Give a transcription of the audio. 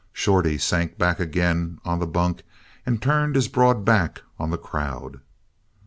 Shorty sank back again on the bunk and turned his broad back on the crowd.